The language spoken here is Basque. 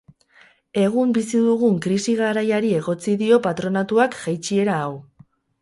Egun bizi dugun krisi garaiari egotzi dio patronatuak jeitsiera hau.